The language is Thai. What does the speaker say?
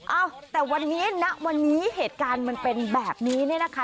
เอ้าแต่วันนี้ณวันนี้เหตุการณ์มันเป็นแบบนี้เนี่ยนะคะ